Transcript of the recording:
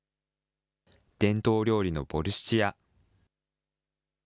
伝統料理のボルシチや。